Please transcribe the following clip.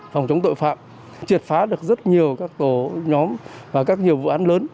phòng chống tội phạm triệt phá được rất nhiều các tổ nhóm và các nhiều vụ án lớn